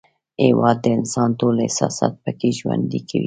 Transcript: هېواد د انسان ټول احساسات پکې ژوند کوي.